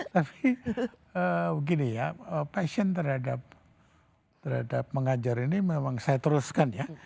tapi begini ya passion terhadap mengajar ini memang saya teruskan ya